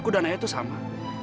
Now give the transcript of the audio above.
aku dan ayah itu sama